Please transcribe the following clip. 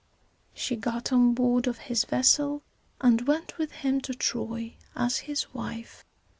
She got on board of his vessel, and went with him to Troy as his wife.